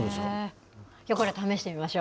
これ、試してみましょう。